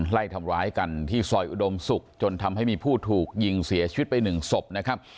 ไล่ทำร้ายกันที่ซอยอุดมศุกร์จนทำให้มีผู้ถูกยิงเสียชีวิตไปหนึ่งศพนะครับ